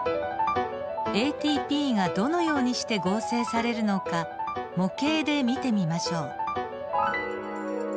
ＡＴＰがどのようにして合成されるのか模型で見てみましょう。